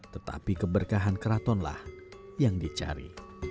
tetapi keberkahan keratonlah yang dicari